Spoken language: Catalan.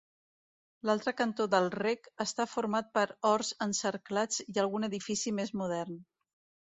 L'altre cantó del Rec està format per horts encerclats i algun edifici més modern.